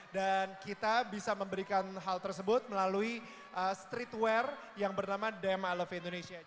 dan kita bisa memberikan hal tersebut melalui streetwear yang bernama dmlf indonesia